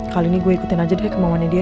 kali ini gue ikutin aja deh kemauannya dia